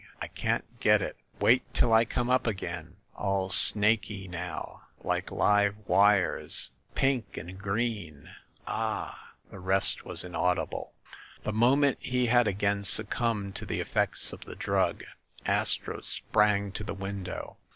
I can't get it. Wait till I come up again. ... All snaky now, like live wires ... pink and green. .. Ah !" The rest was inaudible. The moment he had again succumbed to the effects of the drug Astro sprang to the window.